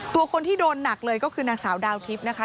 ตัวคนที่โดนหนักเลยก็คือนางสาวดาวทิพย์นะคะ